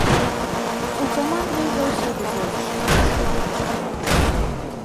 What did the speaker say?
У каманды заўсёды больш шансаў.